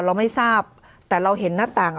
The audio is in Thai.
เราไม่ทราบแต่เราเห็นหน้าต่าง